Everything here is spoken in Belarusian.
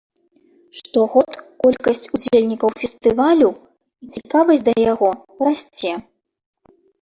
Штогод колькасць удзельнікаў фестывалю і цікавасць да яго расце.